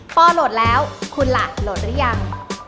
พอโหลดแล้วคุณล่ะโหลดหรือยัง